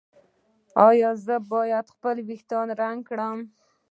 ایا زه باید خپل ویښتان رنګ کړم؟